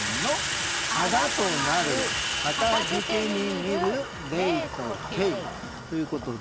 「あだとなる片づけに見る礼と敬」。